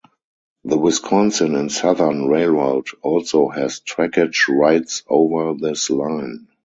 The Wisconsin and Southern Railroad also has trackage rights over this line.